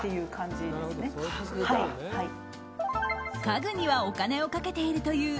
家具にはお金をかけているという